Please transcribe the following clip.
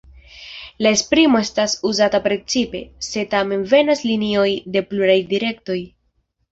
La esprimo estas uzata precipe, se tamen venas linioj de pluraj direktoj.